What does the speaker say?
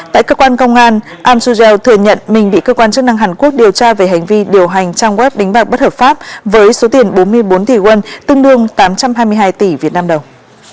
tại cơ quan công an am seo thừa nhận mình bị cơ quan chức năng hàn quốc điều tra về hành vi điều hành trang web đánh bạc bất hợp pháp với số tiền bốn mươi bốn tỷ quân tương đương tám trăm hai mươi hai tỷ việt nam đồng